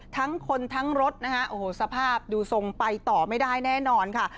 ทั้งคนทั้งรถนะคะโอ้โหสภาพดูทรงไปต่อไม่ได้แน่นอนค่ะ